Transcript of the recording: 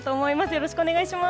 よろしくお願いします。